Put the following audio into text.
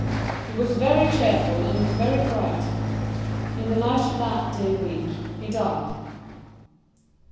He was very cheerful, and looked very bright. In the night of that day week, he died.